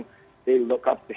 mereka melihat kepadanya